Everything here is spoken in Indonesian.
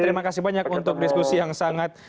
terima kasih banyak untuk diskusi yang sangat